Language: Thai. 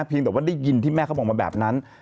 แต่ว่าได้ยินที่แม่เขาบอกมาแบบนั้น